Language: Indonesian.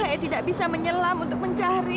saya tidak bisa menyelam untuk mencari